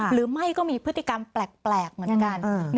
หรือไม่ก็มีพฤติกรรมแปลกกัน